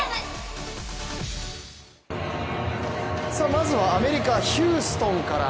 まずはアメリカ、ヒューストンから。